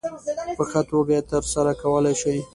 په ښه توګه یې ترسره کولای شي.